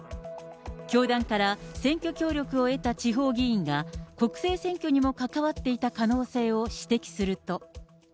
教団から選挙協力を得た地方議員が、国政選挙にも関わっていた可能性を指摘すると。